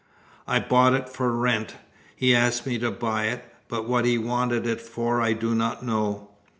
"I bought it for Wrent. He asked me to buy it, but what he wanted it for I do not know.